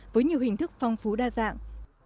với nhiều hình thức phong phú đa dạng